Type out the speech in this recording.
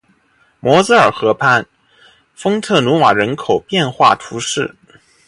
摩泽尔河畔丰特努瓦人口变化图示